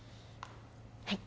はい